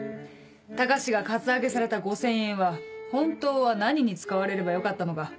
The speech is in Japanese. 高志がカツアゲされた５０００円は本当は何に使われればよかったのか。